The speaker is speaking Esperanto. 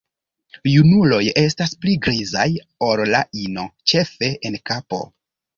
Junuloj estas pli grizaj ol la ino, ĉefe en kapo.